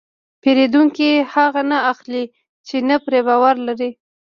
پیرودونکی هغه نه اخلي چې نه پرې باور لري.